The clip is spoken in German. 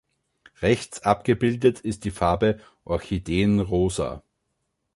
Rechts abgebildet ist die Farbe Orchideenrosa.